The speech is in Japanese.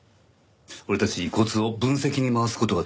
俺たち遺骨を分析に回す事はできる。